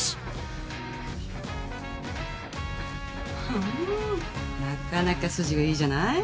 ふんなかなか筋がいいじゃない。